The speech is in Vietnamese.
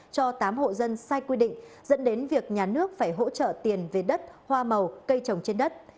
cho tám hộ dân sai quy định dẫn đến việc nhà nước phải hỗ trợ tiền về đất hoa màu cây trồng trên đất